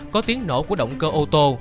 có tiếng nổ của động cơ ô tô